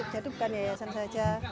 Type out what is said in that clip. jadi bukan yayasan saja